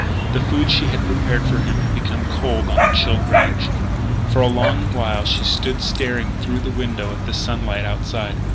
The food she had prepared for him had become cold on a chilled range. For a long while she stood staring through the window at the sunlight outside.